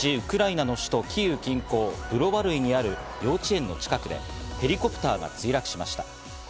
１８日、ウクライナの首都キーウ近郊ブロバルイにある幼稚園の近くで、ヘリコプターが墜落しました。